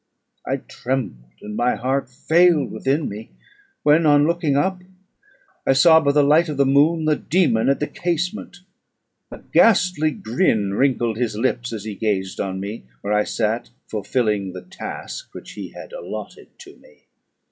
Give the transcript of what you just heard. I trembled, and my heart failed within me; when, on looking up, I saw, by the light of the moon, the dæmon at the casement. A ghastly grin wrinkled his lips as he gazed on me, where I sat fulfilling the task which he had allotted to me.